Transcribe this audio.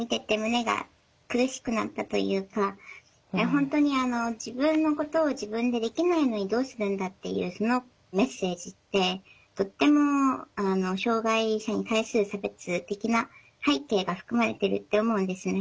本当に自分のことを自分でできないのにどうするんだっていうそのメッセージってとっても障害者に対する差別的な背景が含まれてるって思うんですね。